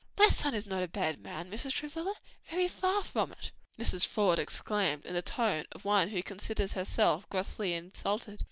"My son is not a bad man, Mrs. Travilla, very far from it!" Mrs. Faude exclaimed, in the tone of one who considers herself grossly insulted.